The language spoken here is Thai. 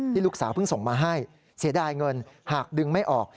ลูกสาวเพิ่งส่งมาให้เสียดายเงินหากดึงไม่ออก